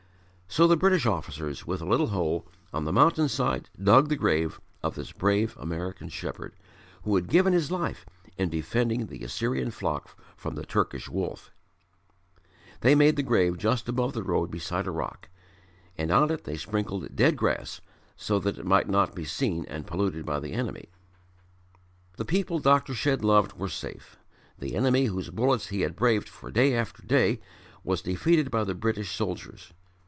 So the British officers, with a little hoe, on the mountain side dug the grave of this brave American shepherd, who had given his life in defending the Assyrian flock from the Turkish wolf. They made the grave just above the road beside a rock; and on it they sprinkled dead grass so that it might not be seen and polluted by the enemy. The people Dr. Shedd loved were safe. The enemy, whose bullets he had braved for day after day, was defeated by the British soldiers.